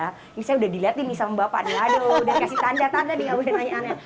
ini saya udah dilihat ini sama bapak nih aduh udah dikasih tanda tanda nih ngomongin nanya nanya